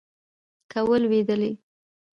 که ولوېدلې